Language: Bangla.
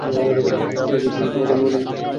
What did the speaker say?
আমরা যদি তোমাকে মনে করতে না পারি।